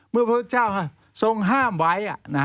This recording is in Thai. พระพุทธเจ้าทรงห้ามไว้